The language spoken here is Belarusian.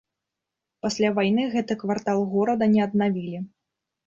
Пасля вайны гэты квартал горада не аднавілі.